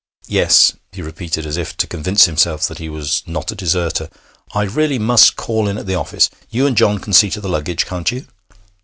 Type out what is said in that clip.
Yes,' he repeated, as if to convince himself that he was not a deserter, 'I really must call in at the office. You and John can see to the luggage, can't you?'